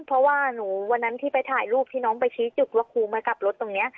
เพราะว่าหนูวันนั้นที่ไปถ่ายรูปที่น้องไปชี้จุดว่าครูมากลับรถตรงนี้